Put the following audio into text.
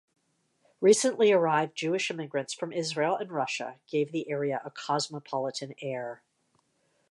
Recently arrived Jewish immigrants from Israel and Russia gave the area a cosmopolitan air.